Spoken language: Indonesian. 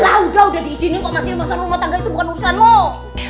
lah udah udah diizinin kok masalah rumah tangga itu bukan urusan nod